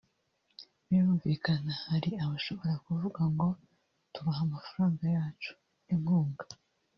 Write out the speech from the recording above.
Birumvikana hari abashobora kuvuga ngo tubaha amafaranga yacu (inkunga)